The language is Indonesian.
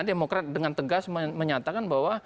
demokrat dengan tegas menyatakan bahwa